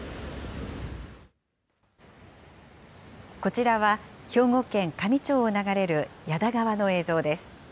こちらは、兵庫県香美町を流れる矢田川の映像です。